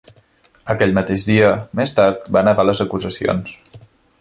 Aquell mateix dia, més tard, va negar les acusacions.